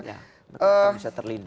ya bisa terlindungi